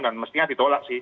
dan mestinya ditolak sih